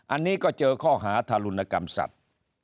อันนี้ก็เจอข้อหาทารุณกรรมสัตว์